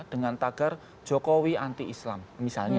dengan tagar jokowi anti islam misalnya